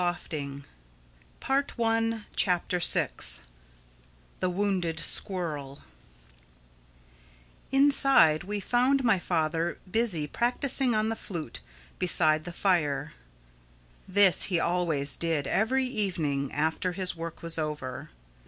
THE SIXTH CHAPTER THE WOUNDED SQUIRREL INSIDE we found my father busy practising on the flute beside the fire. This he always did, every evening, after his work was over.